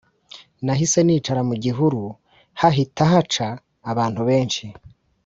nahise nicara mugihuru hahita haca abantu benshi